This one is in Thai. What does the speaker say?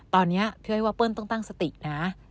ตอนนี้พี่อ้อยว่าเปิ้ลต้องตั้งสตินะ